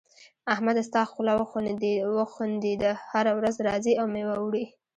احمد ستا خوله وخوندېده؛ هر ورځ راځې او مېوه وړې.